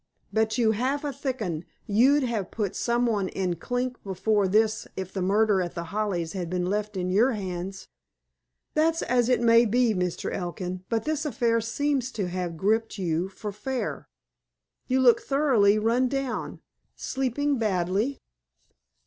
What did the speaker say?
Bet you half a thick 'un you'd have put someone in clink before this if the murder at The Hollies had been left in your hands." "That's as may be, Mr. Elkin. But this affair seems to have gripped you for fair. You look thoroughly run down. Sleepin' badly?"